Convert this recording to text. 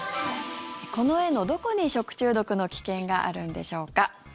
この絵のどこに、食中毒の危険があるんでしょうか。